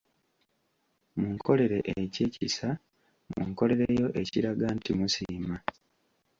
Munkolere eky'ekisa munkolereyo ekiraga nti musiima.